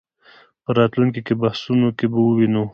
په راتلونکو بحثونو کې به ووینو.